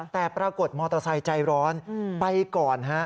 แต่ปรากฏมอเตอร์ไซค์ใจร้อนไปก่อนฮะ